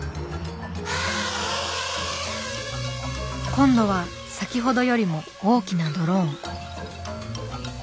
今度は先ほどよりも大きなドローン。